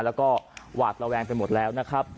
แล้วก็หวาดระแวงไปหมดแล้วนะครับ